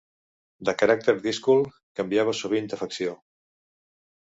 De caràcter díscol, canviava sovint d'afecció.